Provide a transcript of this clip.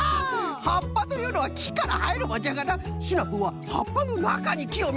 はっぱというのはきからはえるもんじゃがなシナプーははっぱのなかにきをみつけたんじゃな。